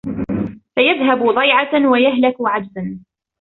فَيَذْهَبُوا ضَيْعَةً وَيَهْلَكُوا عَجْزًا